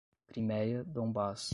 Crimeia, Donbass